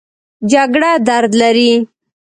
جګړه درد لري